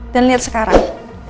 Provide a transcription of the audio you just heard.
dan lihat sekarang